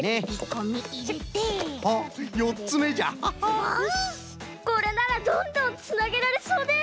これならどんどんつなげられそうです。